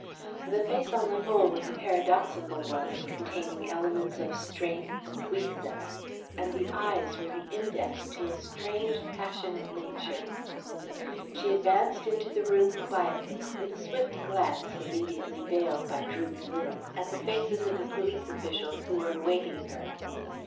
The face, on the whole, was a paradoxical one, containing elements of strength and weakness, and the eyes were the index to a strange passionate nature. She advanced into the room quietly, with a swift glance, immediately veiled by drooped lids, at the faces of the police officials who were awaiting her.